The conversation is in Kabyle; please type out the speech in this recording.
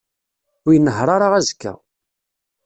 Ur inehheṛ ara azekka.